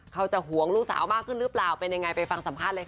ห่วงลูกสาวมากขึ้นหรือเปล่าเป็นยังไงไปฟังสัมภาษณ์เลยค่ะ